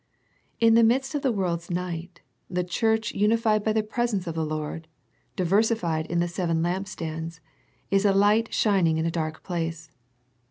In the midst of the world's night, the Church unified by the presence of the Lord, diversified in the seven lampstands, is a light shining in a dark place.